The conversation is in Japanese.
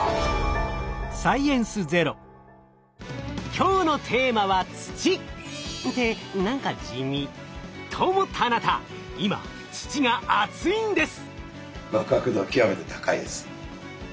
今日のテーマは土！って何か地味。と思ったあなた今土があついんです！